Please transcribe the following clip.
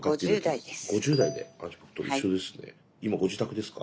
今ご自宅ですか？